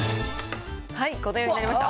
このようになりました。